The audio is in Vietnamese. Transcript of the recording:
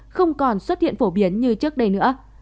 không còn xuất hiện phổ biến như trước đây nữa